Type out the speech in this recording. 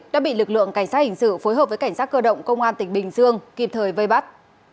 đã bị lực lượng cảnh sát hình sự phối hợp với cảnh sát cơ động công an tỉnh bình dương kịp thời vây bắt